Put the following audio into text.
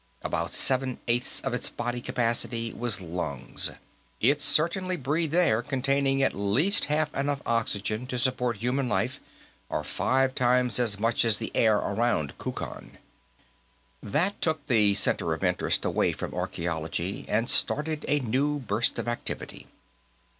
About seven eighths of its body capacity was lungs; it certainly breathed air containing at least half enough oxygen to support human life, or five times as much as the air around Kukan. That took the center of interest away from archaeology, and started a new burst of activity.